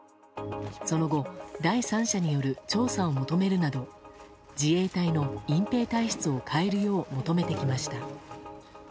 その後、第三者による調査を求めるなど自衛隊の隠蔽体質を変えるよう求めてきました。